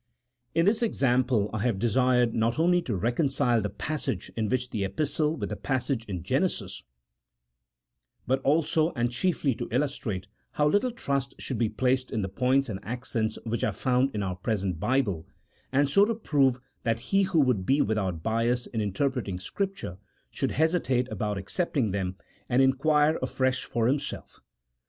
In this example I have desired not only to reconcile the passage in the Epistle with the passage in Genesis, but also and chiefly to illustrate how little trust should be placed in the points and accents which are found in our present Bible, and so to prove that he who would be without bias in interpreting Scripture should hesitate about accepting them, and inquire afresh for himself.